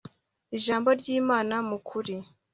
ijambo ry imana mu kuri